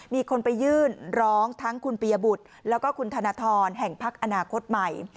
มีคนไปยื่นร้องทั้งคุณปียบุตรแล้วก็คุณธนทรแห่งพักอนาคตใหม่